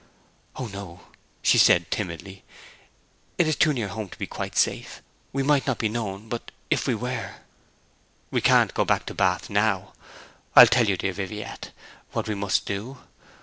'O no!' she said timidly. 'It is too near home to be quite safe. We might not be known; but if we were!' 'We can't go back to Bath now. I'll tell you, dear Viviette, what we must do.